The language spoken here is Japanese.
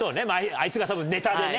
あいつが多分ネタでね。